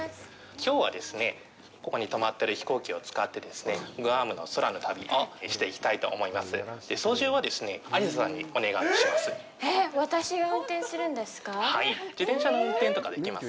きょうはですね、ここにとまってる飛行機を使ってグアムの空の旅をしていきたいと思います。